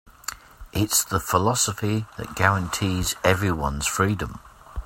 It's the philosophy that guarantees everyone's freedom.